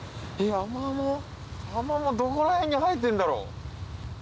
アマモどこら辺に生えてんだろう？